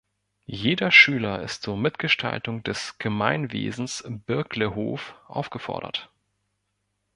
Jeder Schüler ist zur Mitgestaltung des „Gemeinwesens Birklehof“ aufgefordert.